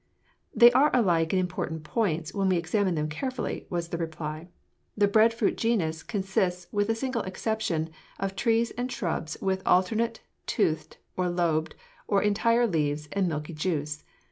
"They are alike in important points, when we examine them carefully," was the reply. "The bread fruit genus consists, with a single exception, of trees and shrubs with alternate, toothed or lobed or entire leaves and milky juice.